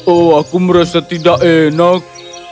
oh aku merasa tidak enak